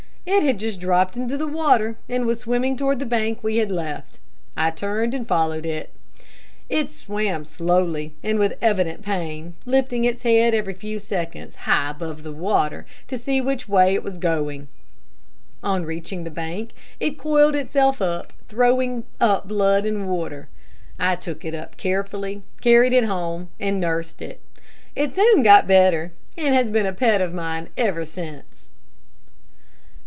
It had just dropped into the water, and was swimming toward the bank we had left. I turned and followed it. "It swam slowly and with evident pain, lifting Its head every few seconds high above the water, to see which way it was going. On reaching the bank it coiled itself up, throwing up blood and water. I took it up carefully, carried it home, and nursed it. It soon got better, and has been a pet of mine ever since."